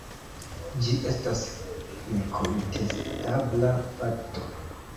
Ĝi estas nekontestebla fakto.